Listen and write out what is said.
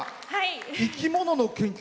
生き物の研究。